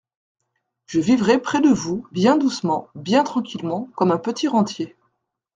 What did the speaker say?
Je vivrai près de vous bien doucement, bien tranquillement, comme un petit rentier.